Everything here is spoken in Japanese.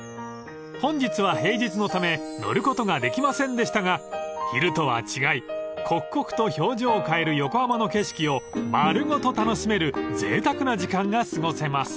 ［本日は平日のため乗ることができませんでしたが昼とは違い刻々と表情を変える横浜の景色を丸ごと楽しめるぜいたくな時間が過ごせます］